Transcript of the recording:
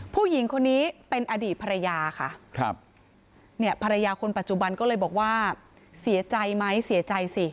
ผู้หญิงคนนี้เป็นอดีตภรรยาค่ะครับเนี่ยภรรยาคนปัจจุบันก็เลยบอกว่าเสียใจไหมเสียใจสิ